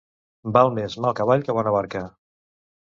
Val més mal cavall que bona barca.